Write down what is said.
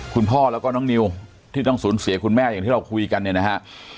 คุณพ่อแล้วก็น้องนิวที่ต้องสูญเสียคุณแม่อย่างที่เราคุยกันเนี่ยนะฮะ